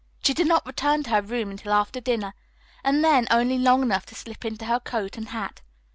She did not return to the room until after dinner, and then only long enough to slip into her coat and hat.